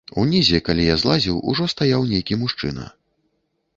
Унізе, калі я злазіў, ужо стаяў нейкі мужчына.